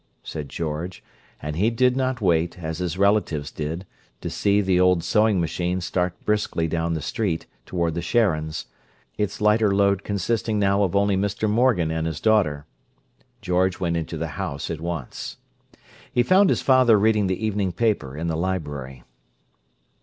said George, and he did not wait, as his relatives did, to see the old sewing machine start briskly down the street, toward the Sharons'; its lighter load consisting now of only Mr. Morgan and his daughter. George went into the house at once. He found his father reading the evening paper in the library.